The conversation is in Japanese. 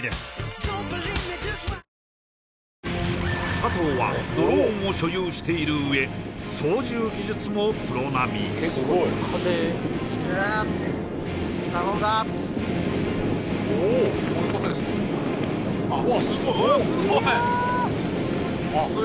佐藤はドローンを所有している上操縦技術もプロ並みうわっすごい！